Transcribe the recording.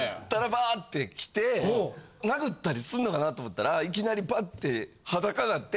バーッて来て殴ったりすんのかなと思ったらいきなりバッて裸なって。